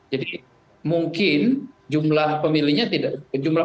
jadi mungkin jumlah pemilihnya akan pergi itu tidak dominan